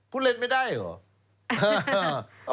พูดเล่นไม่ได้เหรอ